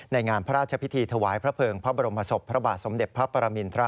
งานพระราชพิธีถวายพระเภิงพระบรมศพพระบาทสมเด็จพระปรมินทร